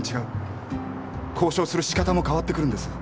交渉するしかたも変わってくるんです。